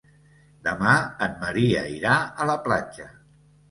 Demà en Maria irà a la platja.